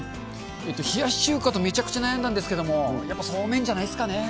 冷やし中華とめちゃくちゃ悩んだんですけれども、やっぱそうめんじゃないっすかね。